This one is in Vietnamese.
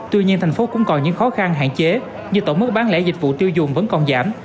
tuy nhiên thành phố cũng còn những khó khăn hạn chế như tổng mức bán lẻ dịch vụ tiêu dùng vẫn còn giảm